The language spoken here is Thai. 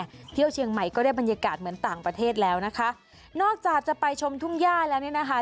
เที่ยวเชียงใหม่ก็ได้บรรยากาศเหมือนต่างประเทศแล้วนะคะนอกจากจะไปชมทุ่งย่าแล้วเนี่ยนะคะ